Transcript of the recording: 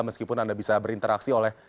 meskipun anda bisa berinteraksi oleh